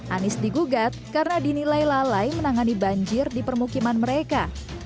anies digugat karena dinilai lalai menangani banjir di permukiman mereka